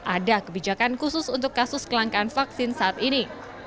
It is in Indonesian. ada kebijakan khusus untuk kasus kelangkaan vaksin saat ini